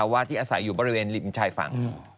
ว่าที่อาศัยอยู่บริเวณริมชายฝั่ง